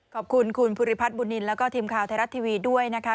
ขอบคุณคุณภูริพัฒนบุญนินแล้วก็ทีมข่าวไทยรัฐทีวีด้วยนะคะ